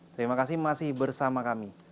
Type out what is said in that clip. terima kasih masih bersama kami